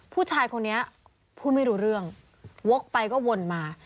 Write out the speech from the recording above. ผู้ชายคนนี้พูดไม่รู้เรื่องวกไปก็วนมา